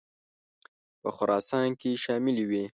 په خراسان کې شاملي وې.